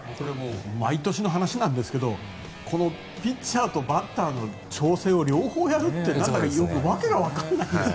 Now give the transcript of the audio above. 毎年の話なんですけどピッチャーとバッターの調整を両方やるって訳がわからないんですが。